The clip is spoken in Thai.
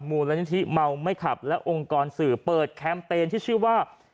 มูลนิธิเมาไม่ขับและองค์กรสื่อเปิดแคมเปญที่ชื่อว่า